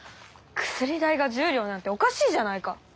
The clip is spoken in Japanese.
薬代が１０両なんておかしいじゃないか！